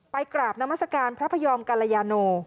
ไปกราบนามสการพระพยอมกัลยานู